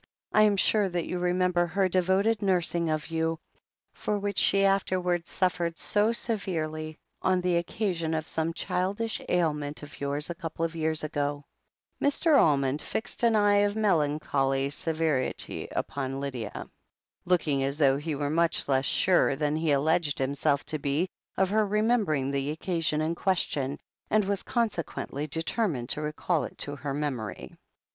I am sure that you remember her devoted nursing of you — for which she afterwards suffered so f THE HEEL OF ACHILLES 91 severely — on the occasion of some childish ailment of yours a couple of years ago/' Mr. Almond fixed an eye of melancholy severity upon Lydia, looking as though he were much less sure than he alleged himself to be of her remembering the occasion in question, and was consequently determined to recall it to her memory.